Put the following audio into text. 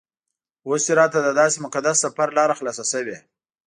اوس چې راته دداسې مقدس سفر لاره خلاصه شوې.